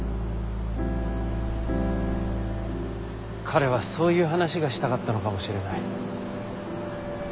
彼はそういう話がしたかったのかもしれない。